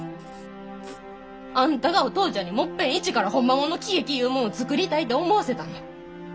あんたがお父ちゃんにもっぺん一からほんまもんの喜劇いうもんを作りたいて思わせたんや。